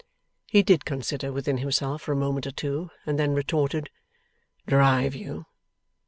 He did consider within himself for a moment or two, and then retorted, 'Drive you?